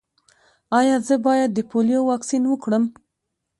ایا زه باید د پولیو واکسین وکړم؟